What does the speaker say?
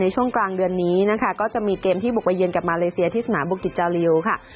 ช่วงกลางเดือนนี้นะคะก็จะมีเกมที่บุกไปเยือนกับมาเลเซียที่สนามบุกิจจาริวค่ะ